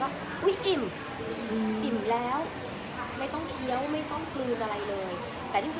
อันนี้มันก็เลยกลายเป็น๒ประเด็นที่ตอนนี้เราก็เอ้ยเอายังไงดี